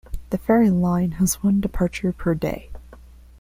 The ferry line has one departure per day.